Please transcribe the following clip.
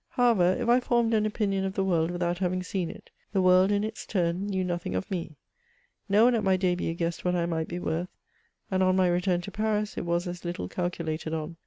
However, if I formed an opinion of the world without having seen it, the world, in its turn, knew nothing of me. No one at my d^but guessed what I might be worth ; and on my return to Paris, it was as little calculated on.